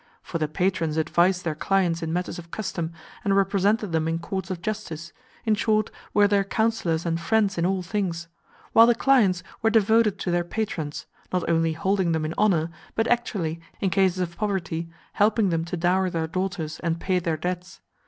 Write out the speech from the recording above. For the patrons advised their clients in matters of custom, and represented them in courts of justice, in short, were their counsellors and friends in all things; while the clients were devoted to their patrons, not only holding them in honour, but actually, in cases of poverty, helping them to dower their daughters and pay their debts.